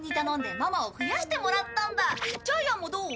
ジャイアンもどう？